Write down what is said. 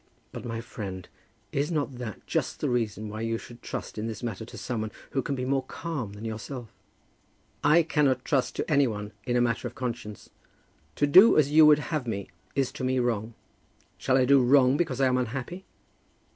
"But, my friend, is not that just the reason why you should trust in this matter to some one who can be more calm than yourself?" "I cannot trust to any one, in a matter of conscience. To do as you would have me is to me wrong. Shall I do wrong because I am unhappy?"